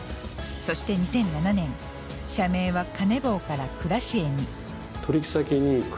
そして２００７年社名はカネボウからクラシエに。